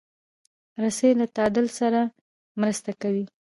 رسۍ له تعادل سره مرسته کوي.